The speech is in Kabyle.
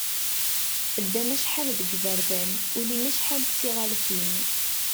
Ddan acḥal deg yiberdan, ulin acḥal d tiɣalin.